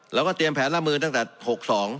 เราก็เตรียมแผนละมือตั้งแต่๖๒